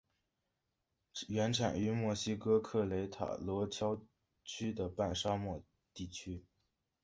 原产于墨西哥克雷塔罗郊区的半沙漠地区。